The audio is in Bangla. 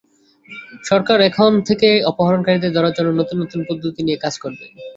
সরকার এখন থেকে অপহরণকারীদের ধরার জন্য নতুন নতুন পদ্ধতি নিয়ে কাজ করবে।